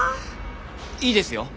いいですよ。